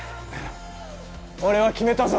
俺は決めたぞ。